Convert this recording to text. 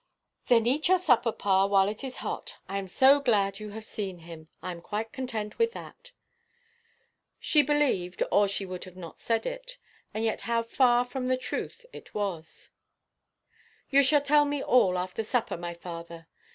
"Then eat your supper, pa, while it is hot. I am so glad you have seen him. I am quite content with that." She believed, or she would not have said it. And yet how far from the truth it was! "You shall tell me all after supper, my father.